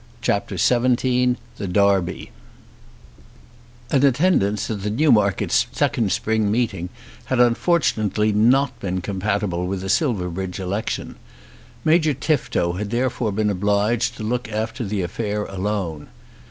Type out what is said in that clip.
CHAPTER XVII The Derby An attendance at the Newmarket Second Spring Meeting had unfortunately not been compatible with the Silverbridge election. Major Tifto had therefore been obliged to look after the affair alone.